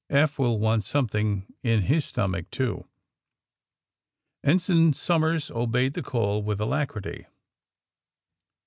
'' Eph will want something in his stomach, too." Ensign Somers obeyed the call with alacrity.